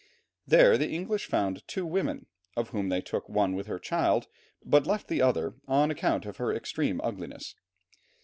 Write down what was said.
There the English found two women, of whom they took one with her child, but left the other on account of her extreme ugliness.